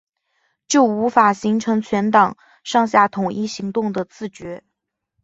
就无法形成全党上下统一行动的自觉